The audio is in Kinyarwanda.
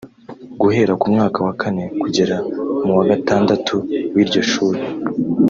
Guhera ku mwaka wa kane kugera mu wa gatandatu w’iryo shuri